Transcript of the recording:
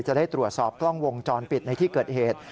จะได้ตรวจสอบกล้องวงจรปิดในที่เกิดเหตุ